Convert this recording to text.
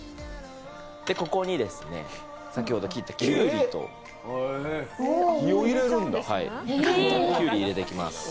ここに先ほど切ったきゅうり入れていきます。